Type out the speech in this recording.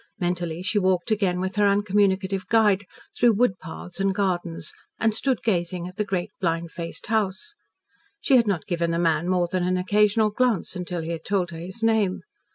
Mentally she walked again with her uncommunicative guide, through woodpaths and gardens, and stood gazing at the great blind faced house. She had not given the man more than an occasional glance until he had told her his name.